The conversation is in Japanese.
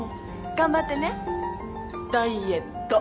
頑張ってねダイエット。